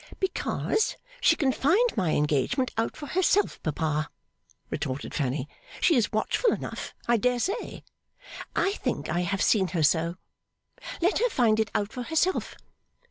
'Because she can find my engagement out for herself, papa,' retorted Fanny. 'She is watchful enough, I dare say. I think I have seen her so. Let her find it out for herself.